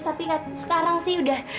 tapi sekarang sih udah